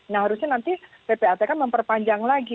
nah harusnya nanti ppatk memperpanjang lagi